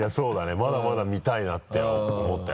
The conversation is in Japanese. まだまだ見たいなって思ったよ